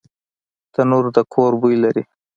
تنور د کور بوی لري